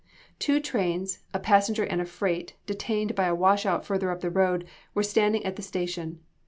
Two trains, a passenger and a freight, detained by a wash out further up the road, were standing at the station.